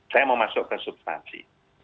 saya mau masuk ke substansi